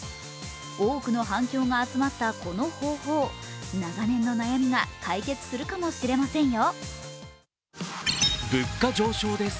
多くの反響が集まったこの方法、長年の悩みが解決するかもしれませんよ。